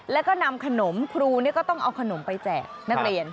แล้วก็นำขนมครูนี่ก็ต้องเอาขนมไปแจกนักเรียน